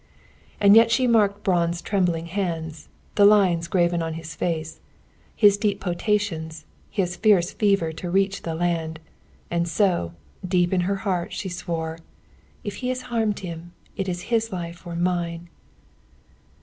And yet she marked Braun's trembling hands, the lines graven on his face, his deep potations, his fierce fever to reach the land. And so, deep in her heart, she swore, "If he has harmed him, it is his life or mine!"